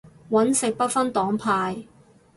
搵食不分黨派